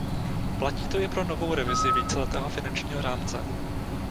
Platí to i pro novou revizi víceletého finančního rámce.